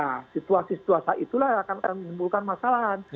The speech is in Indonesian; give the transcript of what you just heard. nah situasi situasi itulah yang akan menimbulkan masalahan